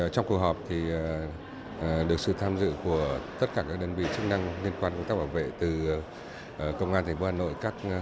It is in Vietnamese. trong cuộc họp được sự tham dự của tất cả các đơn vị chức năng liên quan của các bảo vệ từ công an tp hà nội